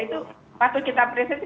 itu patut kita apresiasi